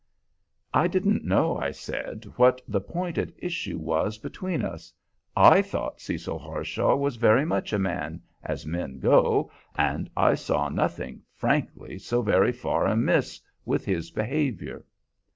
I didn't know, I said, what the point at issue was between us. I thought Cecil Harshaw was very much a man, as men go, and I saw nothing, frankly, so very far amiss with his behavior.